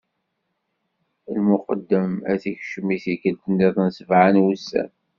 Lmuqeddem ad t-ikmen i tikkelt-nniḍen, sebɛa n wussan.